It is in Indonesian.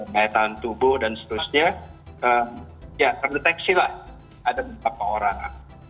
daya tahan tubuh dan seterusnya ya terdeteksi lah ada beberapa orang